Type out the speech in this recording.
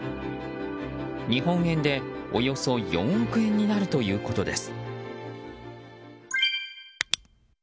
日本円でおよそ４億円になるということです。